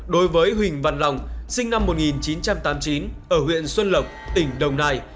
đối với huỳnh văn lòng sinh năm một nghìn chín trăm tám mươi chín ở huyện xuân lộc tỉnh đồng nai